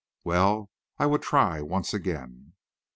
Well, I would try once again.